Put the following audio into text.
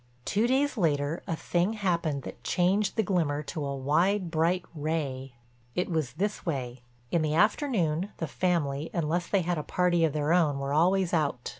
Two days later a thing happened that changed the glimmer to a wide bright ray. It was this way: In the afternoon the family, unless they had a party of their own, were always out.